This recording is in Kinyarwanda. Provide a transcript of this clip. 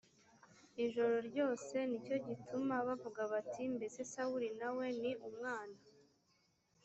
ijoro ryose ni cyo gituma bavuga bati mbese sawuli na we ni umwana